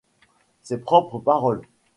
Ses propres paroles !